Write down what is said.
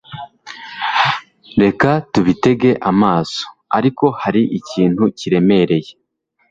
reka tubitege amaso, ariko, hari ikintu kiremereye